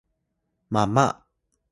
Sayun: mama